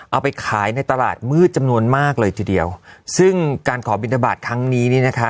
เอาไปขายในตลาดมืดจำนวนมากเลยทีเดียวซึ่งการขอบินทบาทครั้งนี้นี่นะคะ